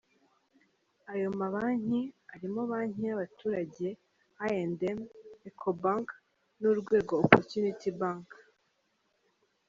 Ayo mabanki arimo Banki y’abaturage, I &M, Ecobank, n’Urwego Opportunity Bank.